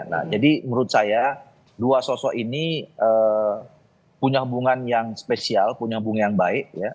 nah jadi menurut saya dua sosok ini punya hubungan yang spesial punya bunga yang baik